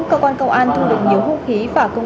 công an thị xã ngã bảy đã thu hồi được nhiều vật chứng